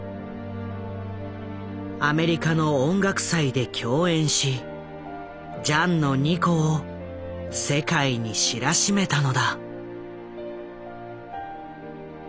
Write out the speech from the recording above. アメリカの音楽祭で共演しジャンの二胡を世界に知らしめたのだ。